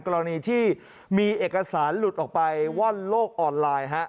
กรณีที่มีเอกสารหลุดออกไปว่อนโลกออนไลน์